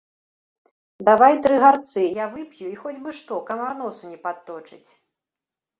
Давай тры гарцы, я вып'ю і хоць бы што, камар носу не падточыць!